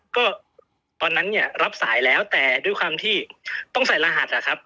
ก็ตอนนั้นเนี่ยรับสายแล้วแต่ด้วยความที่ต้องใส่รหัสอะครับ